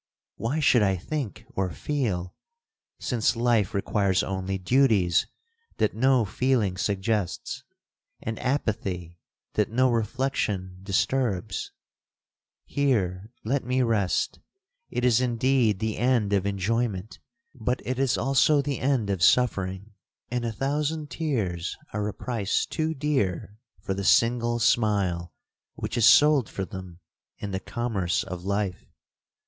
Why should I think or feel, since life requires only duties that no feeling suggests, and apathy that no reflection disturbs? Here let me rest!—it is indeed the end of enjoyment, but it is also the end of suffering; and a thousand tears are a price too dear for the single smile which is sold for them in the commerce of life.